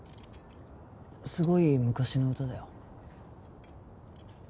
すごい昔の歌だよ